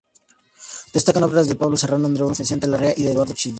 Destacan obras de Pablo Serrano, Andreu Alfaro, Vicente Larrea y de Eduardo Chillida.